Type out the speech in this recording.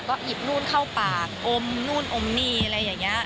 ก็หยิบนู่นเข้าปากอมนู่นอมนี่อะไรอย่างนี้